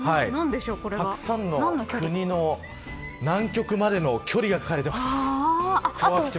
たくさんの国の南極までの距離が書かれています。